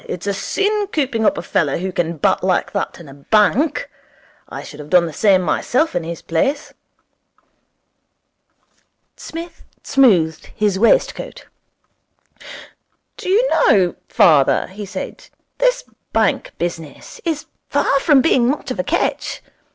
It's a sin cooping up a fellow who can bat like that in a bank. I should have done the same myself in his place.' Psmith smoothed his waistcoat. 'Do you know, father,' he said, 'this bank business is far from being much of a catch.